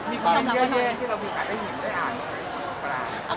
มีข่าวที่เยอะแยะที่เรามีขาดได้เห็นได้อ่าน